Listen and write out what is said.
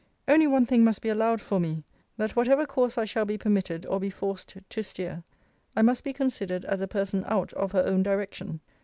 Only one thing must be allowed for me; that whatever course I shall be permitted or be forced to steer, I must be considered as a person out of her own direction.